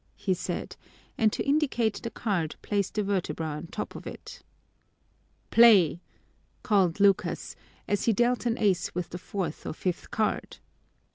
he said, and to indicate the card placed a vertebra on top of it. "Play!" called Lucas, as he dealt an ace with the fourth or fifth card.